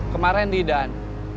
kemarin di dan